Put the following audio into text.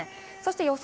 予想